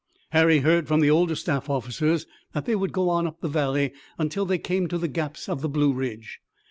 Harry heard from the older staff officers that they would go on up the valley until they came to the Gaps of the Blue Ridge.